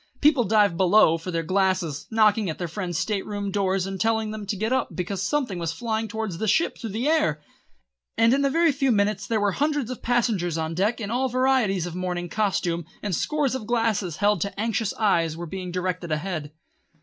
People dived below for their glasses, knocked at their friends' state room doors and told them to get up because something was flying towards the ship through the air; and in a very few minutes there were hundreds of passengers on deck in all varieties of early morning costume, and scores of glasses, held to anxious eyes, were being directed ahead.